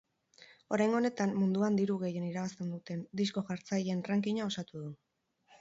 Oraingo honetan, munduan diru gehien irabazten duten disko-jartzaileen rankinga osatu du.